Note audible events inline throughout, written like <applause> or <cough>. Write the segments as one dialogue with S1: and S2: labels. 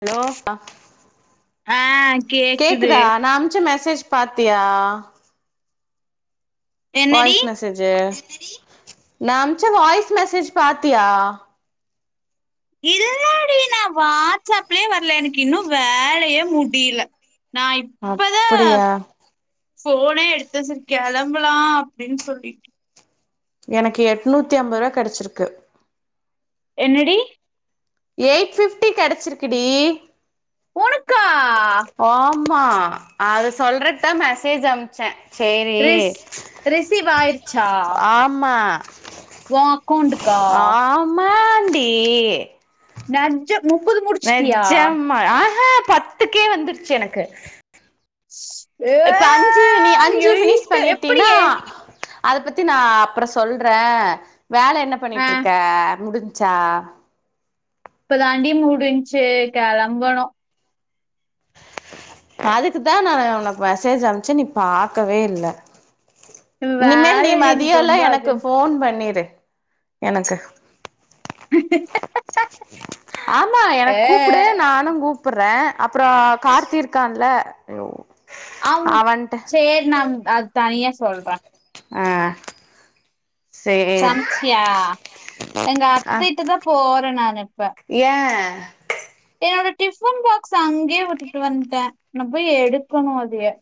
S1: hello அ
S2: ஆ கேக்குது
S1: கேக்குதா நா அம்ச்ச மெசேஜ் பாத்தியா
S2: என்னடி
S1: வாய்ஸ் மெசேஜு நா அம்ச்ச வாய்ஸ் மெசேஜ் பாத்தியா
S2: இல்லாடி நா வாட்ஸப்லே வரல எனக்கு இன்னு வேலயே முடியில நா இப்பதா
S1: அப்படியா
S2: ஃபோனே எடுத்த செரி கெளம்பலா அப்டின் சொல்லிட்டு
S1: எனக்கு எட்நூத்தி அம்பர்வா கெடச்சிருக்கு
S2: என்னடி
S1: எயிட் ஃபிஃப்டி கெடச்சிருக்குடி
S2: உனக்கா
S1: ஆ மா அது சொல்றக்தா மெசேஜ் அம்ச்ச சேரி
S2: ரிஸ் ரிசீவ்
S1: ஆமா
S2: உ அக்கௌண்டுக்கா
S1: ம்மாண்டி
S2: நெஜ்ஜ முப்பது முடிச்சுட்டியா
S1: ஆஹே பத்துக் கே வந்துருச்சு எனக்கு
S2: ஏ
S1: இப்ப அஞ்சு நீ அஞ்சு ஃபினிஷ்
S2: எயிட்டு
S1: பண்ணிட்டீனா
S2: எப்டியே
S1: அத பத்தி நா அப்ற சொல்றே வேல என்ன
S2: ஆ
S1: பண்ணிட்டுருக்க முடிஞ்ச்சா
S2: இப்ப தாண்டி முடிஞ்ச்சு கெளம்பனு
S1: அதுக்கு தா நா உனக்கு மெசேஜ் அமுச்சே நீ பாக்கவே இல்ல இனிமேல் நீ
S2: வேலடி
S1: மதியல்லா
S2: ரொம்ப
S1: எனக்கு
S2: அர்ஜென்ட்
S1: ஃபோன் பண்ணிரு எனக்கு
S2: ஏ
S1: ஆமா எனக்கு கூப்புடு நானு கூப்புடுறே அப்றோ கார்த்தி இருக்கான்ல அய்யோ
S2: அவ் சேரி நா அத் அது தனியா சொல்றே
S1: ஆ சேரி
S2: சமச்சியா எங்க
S1: ஆ
S2: அத்தைட்ட தா போறே நானு இப்ப
S1: ஏ
S2: என்னோட டிஃபன் பாக்ஸ் அங்கேயே விட்டுட்டு வன்ட்டே நா போய் எடுக்கணு அதயே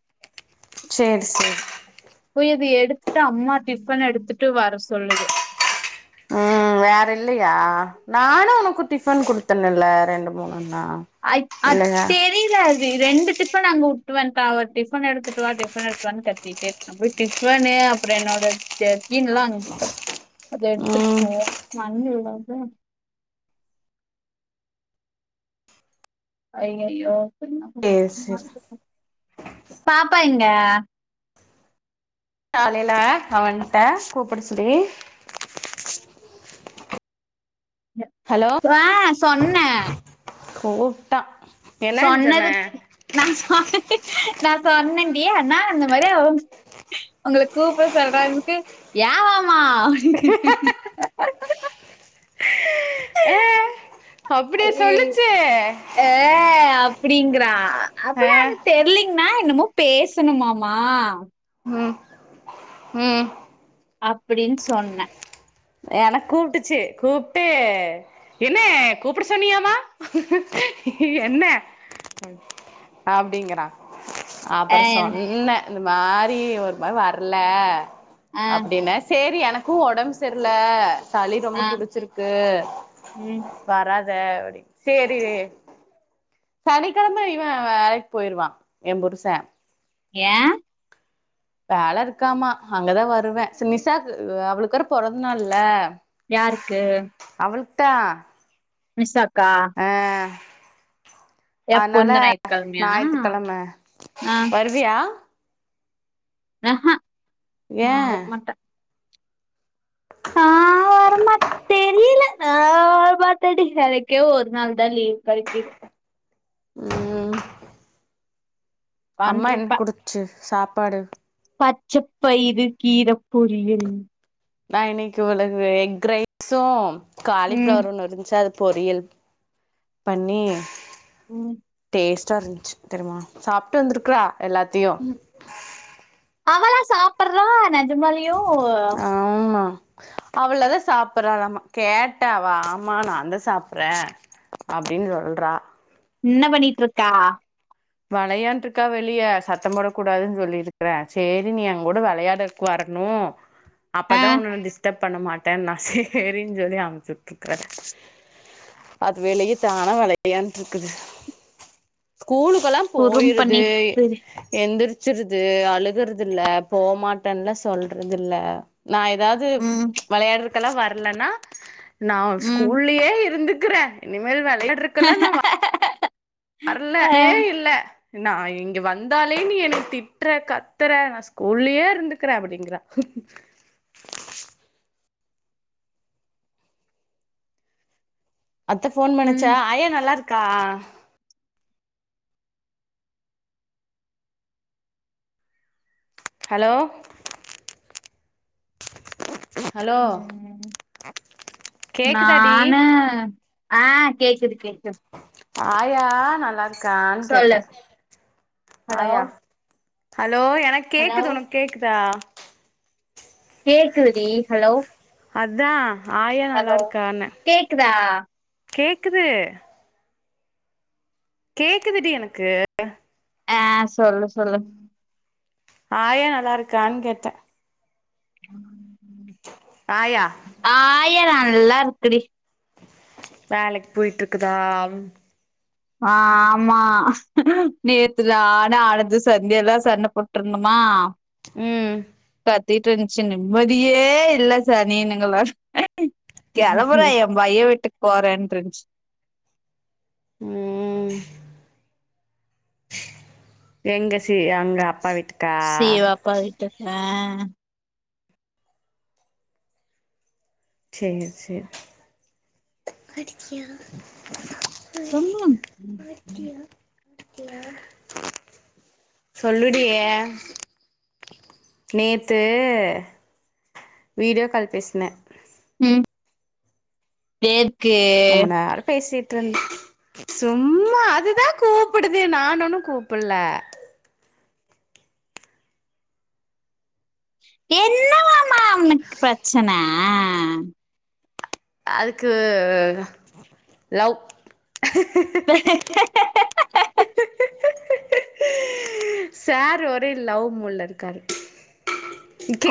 S1: சேரி சேரி
S2: போய் அத எடுத்துட்டு அம்மா டிஃபன் எடுத்துட்டு வர சொல்லுது
S1: ம் வேற இல்லையா நானு உனக்கு டிஃபன் குடுத்தன்னல்ல ரெண்டு மூணுனா
S2: அய்த் அத் தெரியல அது ரெண்டு டிஃப்னா அங்க வுட்டுவண்டாங்க டிஃபன எடுத்துட்டுவா டிஃபன எடுத்துவானு கத்திட்டே நா போயி டிஃபனு அப்றோ என்னோட ஜெகீன்ல்லா அங்க கெடக் அத
S1: ம்
S2: எடுத்துப்போனு மண்னு இவ்ளவு அய்யய்யோ
S1: சேரி சேரி
S2: பாப்பா எங்க
S1: காலைல அவன்ட்ட கூப்பிட சொல்லி ஹலோ
S2: ஆ சொன்னே
S1: கூப்ட்டா என்னன்னு சொன்ன
S2: சொன்னதுக்கு நா சொ நா சொன்னன்டி அண்ணா அந்த மாரி அவங் உங்கள கூப்பிட சொல்றானுதுக்கு ஏவாமா
S1: அப்டியா சொல்லுச்சு
S2: ஏ அப்டிங்றா
S1: ஆ
S2: அப்டில்லா எனக் தெர்லீங்னா என்னமோ பேசணுமாமா
S1: ம் ம்
S2: அப்டின்னு சொன்னே
S1: என கூப்ட்டுச்சு கூப்ட்டு என்ன கூப்பிட சொன்னியாமா என்ன அப்டிங்கிறாங்
S2: ஆ
S1: அப்றோ சொன்னே இந்த மாரி ஒரு <unintelligible> வர்ல
S2: ஆ
S1: அப்டின்னே சேரி எனக்கு உடம்பு சேர்ல்ல சளி ரொம்ப
S2: ஆ
S1: புடிச்சிருக்கு
S2: ம்
S1: வராத அப்டினு சேரி சனிக்கெழம இவ வேலைக்கி போயிருவா எ புருச
S2: ஏ
S1: வேல இருக்காமா அங்கதா வருவே சே நிஷாக்கு அவளுக் வேற பொறந்நாள்ல
S2: யாருக்கு
S1: அவளுக்தா
S2: நிஷாக்கா
S1: ஆ
S2: எப்போ
S1: அதனால
S2: இந்த ஞாயித்துக்கெழமையா
S1: ஞாயித்துக்கிழம
S2: ஆ
S1: வரு வியா
S2: ஆ ஹா நா
S1: ஏ
S2: வர்மாட்டே
S1: <unintelligible>
S2: நா‌ வர மாட்டேடி‌எனக்கே ஒர் நாள் தா லீவு கெடைக்கிது
S1: ம் அம்மா என்
S2: உக்காண்ட்ருப்பே
S1: குடுச்சு சாப்பாடு
S2: பச்ச பயிறு கீர பொரியல்
S1: நா இன்னக்கி உள்ளது எக் ரைஸ்ஸு
S2: ம்
S1: காலிஃபிளவர் ஒண்ணு இருன்ச்சு அத பொரியல் பண்ணி
S2: ம்
S1: டேஸ்ட்டாருந்துச்சு தெரிமா சாப்ட்டு வந்துருக்றா எல்லாத்தையு
S2: அவள்லா சாப்புறாலா நெஜமாலுயு
S1: ஆம்மா அவளதா சாப்புறாலாம்மா கேட்டாவா ஆமா நா தா சாப்புறே அப்டின் சொல்றா
S2: என்ன பண்ணிட்ருக்கா
S1: வளயான்ட்ருக்கா வெளிய சத்தோ போடக் கூடாதுன் சொல்லிருக்றே சேரி நீ எங்கூட வெளயாட க்குவர்ணு
S2: ஆ
S1: அப்பதா ஒன்ன நா டிஸ் டப் பண்ண மாட்டேன்னா சேரின் சொல்லி அம்ச்சுட்ருக்கே அது வெளிய தானா வெளயான்ட்ருக்குது ஸ்கூலு க்கலா
S2: குறும்
S1: போயிருது
S2: பண்ணிட்டு
S1: எந்திரிச்சிருது அழுகுறதில்ல போமாட்டன்லா சொல்றதில்ல நா எதாவ்து
S2: ம்
S1: வெளயாட்றக்கெல்லா வர்லன்னா நா
S2: ம்
S1: ஸ்கூல்லயே இருந்துக்குறே இனிமேல் வெளயாட்றக்கெல்லா நா வர்ல
S2: ஆ
S1: மே இல்ல நா இங்க வந்தாலே நீ என்னய திட்ற கத்துற நா ஸ்கூல்லயே இருந்துக்கறே அப்டிங்றா அத்த ஃபோன் பண்ணுச்சா
S2: ம்
S1: ஆயா நல்லாருக்கா ஹலோ ஹலோ
S2: ம்
S1: கேக்குதாடி
S2: நானு ஆ கேக்குது கேக்கு
S1: ஆயா நல்லாருக்கான்
S2: சொல்லு
S1: கேட்டே
S2: ஹலோ
S1: ஆயா ஹலோ எனக்
S2: ஹலோ
S1: கேக்குது ஒனக் கேக்குதா
S2: கேக்குது டி ஹலோ
S1: அதா ஆயா
S2: ஹலோ
S1: நல்லாருக்கான்னே
S2: கேக்குதா
S1: கேக்குது கேக்குதுடி எனக்கு
S2: ஆ சொல்லு சொல்லு
S1: ஆயா நல்லாருக்கான் கேட்டே ஆயா
S2: ஆயா நல்லாருக்குடி
S1: வேலைக் போய்ட்ருக்குதா
S2: ஆமா நேத்து நானு அழுது சந்தியாலா சண்ட போ ட்ருந்தமா
S1: ம்
S2: கத்திட்ருன்ச்சு நிம்மதியே இல்ல சனியனுங்கள கெளம்புறே எ பையே வீட்டுக்கு போறேன்ருன்ச்சு
S1: ம் எங்க சி அங்க அப்பா வீட்டு
S2: சிவப்பா வீட்டுக்கு அ
S1: சேரி சேரி
S2: சும்மா
S1: <unintelligible> சொல்லுடியே நேத்து வீடியோ கால் பேசன
S2: உம் பேக்கு
S1: ரொம்ப நேரோ பேசிட்டு இருந் சும்மா அதுதா கூப்புடுதே நான் ஒன்னு கூப்பல்ல
S2: என்னவாமா அவனுக்கு பிரச்சன
S1: அதுக்கு லவ் சார் ஒரே லவ் மூட்ல இருக்காரு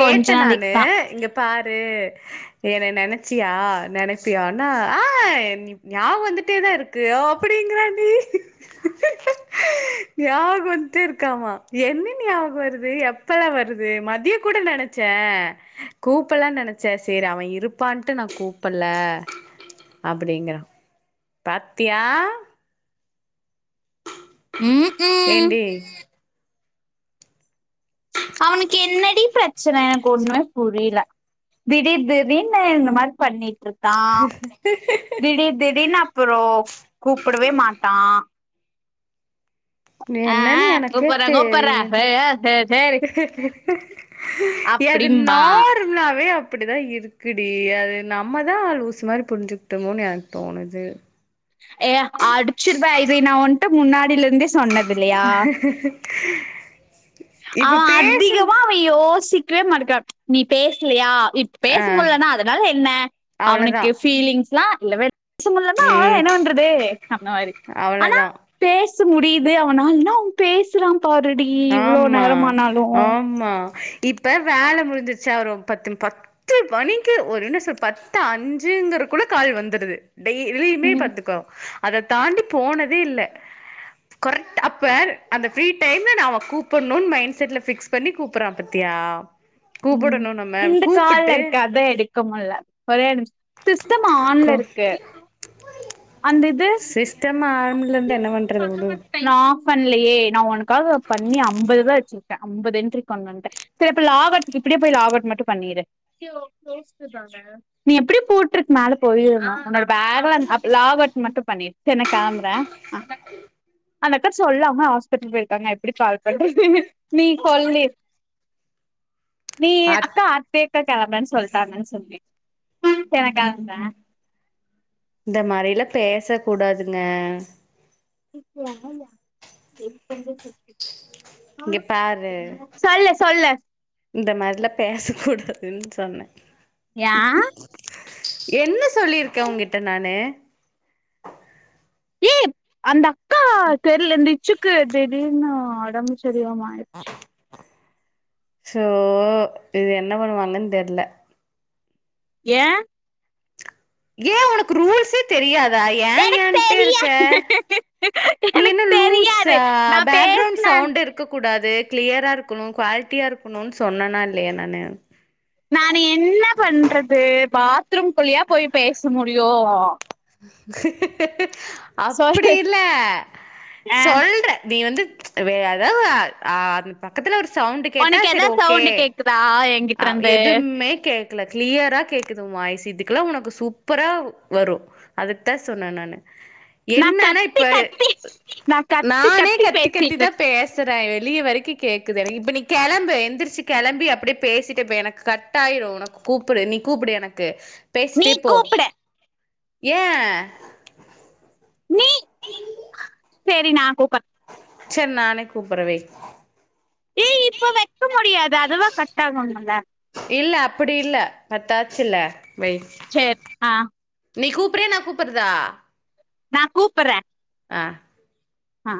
S2: கொஞ்ச நாளைக்கு
S1: நானு
S2: தா
S1: இங்க பாரு என்ன நெனைச்சியா நெனைப்பியானா ஆ ஞாப வந்துட்டே தா இருக்கு அப்படிங்கிறான்டி ஞாபக வந்துட்டு இருக்காமா என்ன ஞாபகோ வருது எப்பலா வருது மதிய கூட நெனச் ச கூப்பல்லானு நெனைச்சே சரி அவன் இருப்பான்ட்டு நா கூப்பல்ல அப்படிங்கறான் பாத்தியா
S2: ம் ம்
S1: ஏன்டி
S2: அவனுக்கு என்னடி பிரச்சன எனக்கு ஒண்ணுமே புரியல திடீர் திடீர்ன்னு இந்த மாரி பண்ணிட்டுருக் தா திடீர் திடீர்னு அப்புறோ கூப்படவே மாட்டா
S1: இது
S2: ஆ
S1: என்னன்னு
S2: ஆ
S1: எனக்கே
S2: கூப்பர்றே கூப்பர்றே
S1: தெரியல
S2: ஏ ஏ சே சேரி
S1: எது நா
S2: அப்டிம்பா
S1: நார்மலாவே அப்படி தா இருக்குடி அது நம்ம தா லூசு மாரி புரிஞ்சிக்கிட்டோமோனு எனக்கு தோணுது
S2: ஏ அடிச்சிருவேன் இதை நா உன்ட்ட முன்னாடியில இருந்தே சொன்னது இல்லையா
S1: இப்ப
S2: அவன்
S1: பேசுன
S2: அதிகமா அவன் யோசிக்கவே மட்டக்கா நீ பேசலையா பேச
S1: ஆ
S2: முடியலனா அதனால என்ன
S1: அவ்ளதா
S2: அவனுக்கு ஃபீலிங்ஸ்லா இல்லவே இல்ல பேசமுட்லனா அவ்ளதா‌
S1: ம்
S2: என்ன பண்றது அந்த மாரி ஆனா
S1: அவ்ளதா
S2: பேச முடியுது அவனாலனா அவன் பேசறா பாருடி இவ்ளோ
S1: ஆமா
S2: நேரமானாலு
S1: ஆமா இப்ப வேல முடிஞ்சுச்சா ஒரு பத்து ப பத்து மணிக்கு ஒரு என்ன சொல் பத்து அஞ்சுங்கற குள்ள கால் வந்துடுது டெய்லி இதையுமே
S2: ம்
S1: பாத்துக்கோ அத தாண்டி போனதே இல்ல கொரெக்ட் அப்ப அந்த ஃப்ரீ டைம் ன அவ கூப்பட்ணுன்னு மைண்ட் செட்ல ஃபிக்ஸ் பண்ணி கூப்பட்றா பாத்தியா
S2: ம்
S1: கூப்படணு நம்ம
S2: இந்த கால்ல
S1: கூப்புட்டு
S2: இருக்க அதா எடுக்க முட்ல ஒரே நிமிஷ் சிஸ்டமா ஆன்ல
S1: கோ
S2: இருக்கு அந்த இது
S1: சிஸ்டம் ஆன்லந்து என்ன பண்றது உடு
S2: நா ஆஃப் பண்லயே நா உனக்காக பண்ணி அம்பது ரூவா வச்சுரு க்க அம்பது என்றி பண்ணுன்ட்டு செரி இப்ப லாக் அவுட் இப்படியே போய் லாக் அவுட் மட்டும் பண்ணிரு <unintelligible> பொய் சொல்லாத நீ எப்படி போட்ருக்கு மேல போயிருமா உன்னோட பேக்ல லாக் அவுட் மட்டும் பண்ணிரு செர் நா கெளம்பற அந்தக்கா சொல்லம ஹாஸ்பிட்டல் போயிருக்காங்க நா எப்படி கால் பண்றது நீ சொல்லு நீ
S1: அத்
S2: அக்கா அப்டேட்டட் ஆகலன் சொல்ட்டாங்கன் சொன்ன எனக்கந்த ஆ
S1: இந்த மாரிலா பேச கூடாதுங்க
S2: திருப்பியா ஆன என் பண்றது ஆ
S1: இங்க பாரு
S2: <unintelligible> சொல்லு சொல்லு
S1: இந்த மாரிலா பேச கூடாதுன் சொன்ன
S2: ஏ
S1: என்ன சொல்லிருக்க உன்கிட்ட நானு
S2: ஏ அந்த அக்கா தெரில அந்த இச்சுக்கு திடீர்னு உடம்புச்சரியாம ஆய்டு
S1: ஸோ இது என்ன பண்ணுவாங்கன்னு தெர்ல
S2: ஏ
S1: ஏ உனக்கு ரூல்சே தெரியாதா ஏ
S2: எனக்கு
S1: ஏன்ட்டே இருக்க
S2: தெரியாது
S1: நீ
S2: எனக்கு
S1: என்ன
S2: தெரியாது
S1: லூஸ்சா
S2: நான்
S1: பாக்கரவுன்ட்
S2: பேசினேன்
S1: சவுண்ட் இருக்க கூடாது கிளியராக இருக்கணு குவாலிட்டியா இருக்கணுன் சொன்னனா இல்லயா நானு
S2: நானு என்ன பண்றது பாத்ரூம் குள்ளயா போய் பேச முடியு
S1: அப்டி
S2: சொல்லு
S1: இல்ல
S2: ஆ,
S1: சொல்ற நீ வந்து வே ஏதா ஆம் பக்கத்துல ஒரு சவுண்ட் கேட்டா
S2: உனக்கு
S1: சரி
S2: எதாவது
S1: ஓகே
S2: சவுண்ட் கேக்குதா
S1: ஆ
S2: என்கிட்ட இருந்து
S1: எதுவுமே கே கல கிளியரா கேக்குது உன் வாய்ஸ் இதுகலா உனக்கு சூப்பரா வரு அதுக்தா சொன்ன நானு
S2: நான்
S1: என்னன்னா
S2: கத்தி
S1: இப்ப
S2: கத்தி நான் கத்தி
S1: நானே கத்தி கத்தி
S2: பேசிட்டு
S1: தா
S2: இருக்கேன்
S1: பேச வெச்சிடுற வெளிய வரைக்கு கேக்குது எனக்கு இப்ப நீ கிளம்பு எந்திரிச்சி கிளம்பி அப்டியே பேசிட்டு போ எனக்கு கட் கட்டாயிரு உனக்கு கூப்புடு நீ கூப்புடு எனக்கு
S2: நீ
S1: பேசிட்டே போ
S2: கூப்பிட
S1: ஏ
S2: செரி நா கூப்ற
S1: சரி நானே கூப்பற வய்
S2: ஏ இப்போ வக்க முடியாது அதுவா கட் ஆகுனுல
S1: இல்ல அப்டி இல்ல பத்தாச்சில்ல வய்
S2: செர் ஆ
S1: நீ கூப்பிறியா நா கூப்பறதா
S2: நா கூப்பற
S1: அ
S2: ஆ